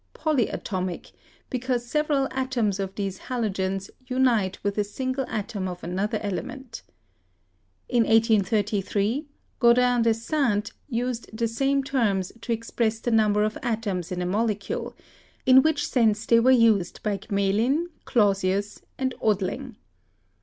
"polyatomic," because several atoms of these halogens unite with a sin gle atom of another element. In 1833, Gaudin de Saintes used the same terms to express the number of atoms in a molecule, in which sense they were used by Gmelin, Clau sius, and Odling.